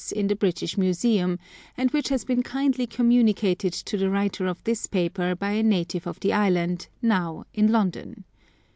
in the British Museum, and which has been kindly communicated to the writer of this paper by a native of the island, now in London.